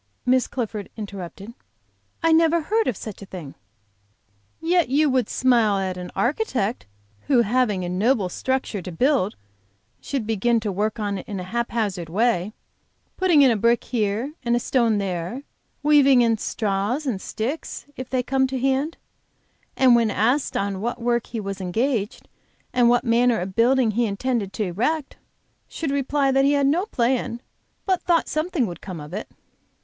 Miss Clifford interrupted. "I never heard of such a thing." "Yet you would smile at an architect, who having a noble structure to build, should begin to work on it in a haphazard way, putting in a brick here and a stone there, weaving in straws and sticks if they come to hand, and when asked on what work he was engaged, and what manner of building he intended to erect, should reply he had no plan, but thought something would come of it."